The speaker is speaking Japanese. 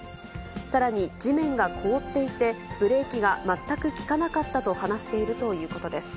さらに地面が凍っていて、ブレーキが全く利かなかったと話しているということです。